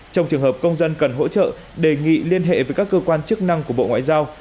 trong trường hợp công dân cần hỗ trợ đề nghị liên hệ với các cơ quan chức năng của bộ ngoại giao